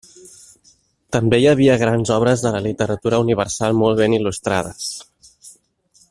També hi havia grans obres de la literatura universal molt ben il·lustrades.